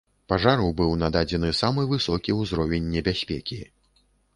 Пажару быў нададзены самы высокі ўзровень небяспекі.